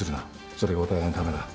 それがお互いのためだ。